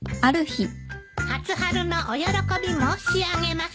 初春のお喜び申し上げます。